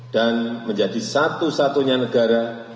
dan menjadi satu satunya negara